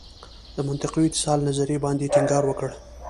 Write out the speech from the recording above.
د منطقوي اتصال نظریې باندې ټینګار وکړ.